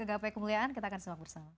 ke gap kemuliaan kita akan selalu bersama